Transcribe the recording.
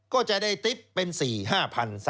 ก็จะได้ติ๊บเป็น๔๕